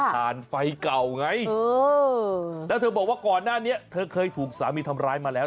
ผ่านไฟเก่าไงแล้วเธอบอกว่าก่อนหน้านี้เธอเคยถูกสามีทำร้ายมาแล้ว